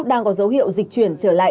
đang có dấu hiệu dịch chuyển trở lại